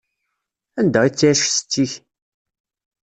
Anda i tettɛic setti-k?